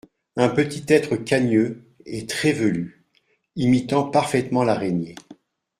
Un petit être cagneux… et très velu… imitant parfaitement l’araignée.